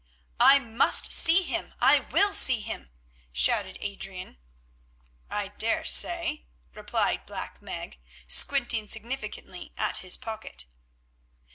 "I must see him. I will see him," shouted Adrian. "I daresay," replied Black Meg, squinting significantly at his pocket.